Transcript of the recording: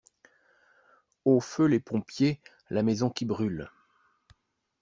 Au feu les pompiers, la maison qui brûle.